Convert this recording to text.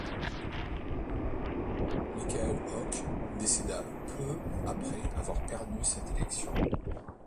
Michael Hoke décéda peu après avoir perdu cette élection.